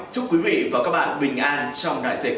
chúc quý vị và các bạn bình an trong đại dịch